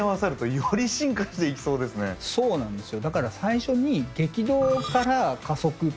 そうなんですよ。